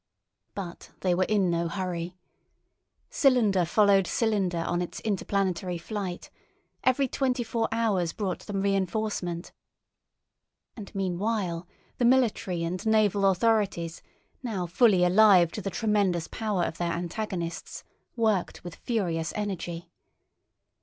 But they were in no hurry. Cylinder followed cylinder on its interplanetary flight; every twenty four hours brought them reinforcement. And meanwhile the military and naval authorities, now fully alive to the tremendous power of their antagonists, worked with furious energy.